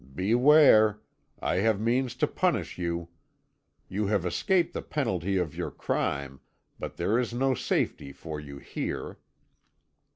Beware! I have means to punish you. You have escaped the penalty of your crime, but there is no safety for you here.